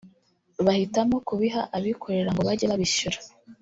bahitamo kubiha abikorera ngo bajye babishyura